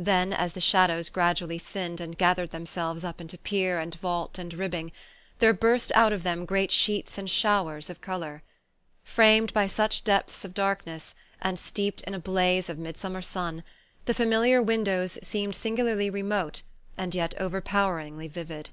Then, as the shadows gradually thinned and gathered themselves up into pier and vault and ribbing, there burst out of them great sheets and showers of colour. Framed by such depths of darkness, and steeped in a blaze of mid summer sun, the familiar windows seemed singularly remote and yet overpoweringly vivid.